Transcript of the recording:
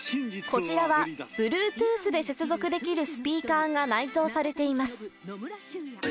こちらは、ブルートゥースを接続できるスピーカーが内蔵されています。